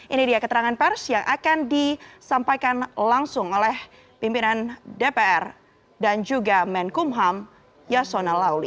ini dia keterangan pers yang akan disampaikan langsung oleh pimpinan dpr dan juga menkumham yasona lauli